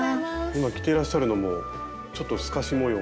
今着ていらっしゃるのもちょっと透かし模様の。